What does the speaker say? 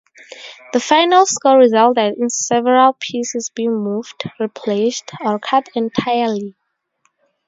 The final score resulted in several pieces being moved, replaced, or cut entirely.